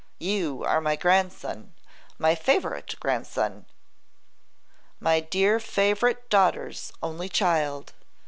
You are my grandson, my favourite grandson, my dear favourite daughter's only child.